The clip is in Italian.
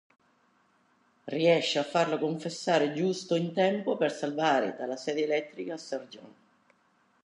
Riesce a farlo confessare giusto in tempo per salvare dalla sedia elettrica Sergeant.